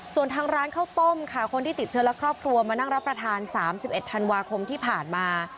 ส่วนทางร้านข้าวต้มค่ะคนที่ติดเชื้อและครอบครัวมานั่งรับประทาน๓๑ธันวาคมที่ผ่านมา